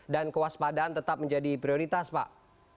dan kewaspadaan tetap menjadi prioritas pak